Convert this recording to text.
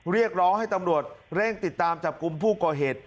เรียกร้องให้ตำรวจเร่งติดตามจับกลุ่มผู้ก่อเหตุ